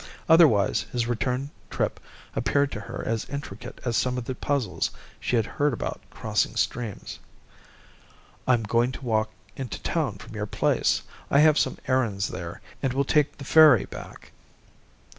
Otherwise, his return trip appeared to her as intricate as some of the puzzles she had heard about crossing streams. "I'm going to walk into town from your place. I have some errands there, and will take the ferry back."